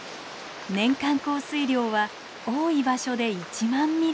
年間降水量は多い場所で１万ミリ以上。